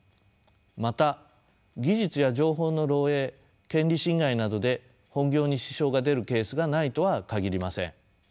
また技術や情報の漏えい権利侵害などで本業に支障が出るケースがないとは限りません。